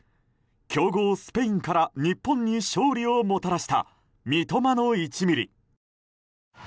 強豪スペインから日本に勝利をもたらした三笘の１ミリ。